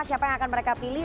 siapa yang akan mereka pilih